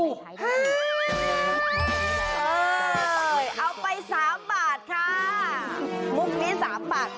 เออเอาไป๓บาทค่ะมุมมี๓บาทพอ